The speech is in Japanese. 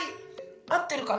合ってるかな？